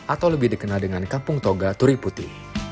atau lebih dikenal dengan kampung toga turiputi